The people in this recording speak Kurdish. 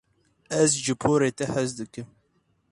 Ez ji porê te hez dikim.